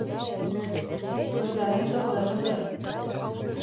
-Һүҙҙәрең тоғро, һеңлем.